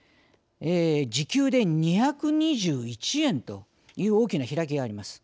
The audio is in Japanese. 時給で２２１円と大きな開きがあります。